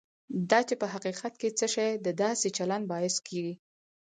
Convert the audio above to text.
دا چې په حقیقت کې څه شی د داسې چلند باعث کېږي.